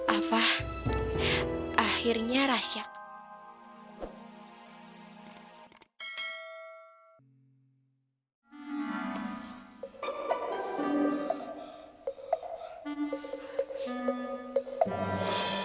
apa akhirnya rasak